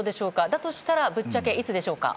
だとしたら、ぶっちゃけいつでしょうか？